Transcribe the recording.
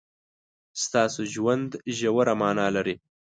ستاسو ژوند ژوره مانا لري.